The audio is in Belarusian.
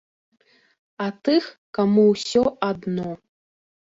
А тых, каму ўсё адно.